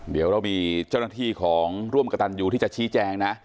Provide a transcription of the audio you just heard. เดี๋ยวเรามีเจ้าหน้าที่ของร่วมกระตันยูที่จะชี้แจงนะ